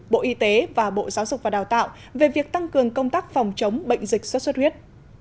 bộ y tế và bộ giáo dục và đào tạo về việc tăng cường công tác phòng chống bệnh dịch xuất xuất huyết